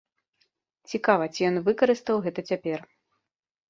Цікава, ці ён выкарыстаў гэта цяпер.